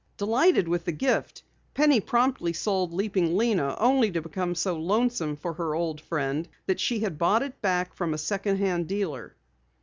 Delighted with the gift, Penny promptly sold Leaping Lena only to become so lonesome for her old friend that she had bought it back from a second hand dealer.